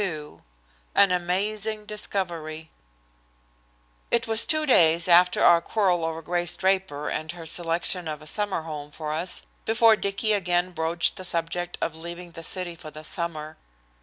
XXII AN AMAZING DISCOVERY It was two days after our quarrel over Grace Draper and her selection of a summer home for us before Dicky again broached the subject of leaving the city for the summer.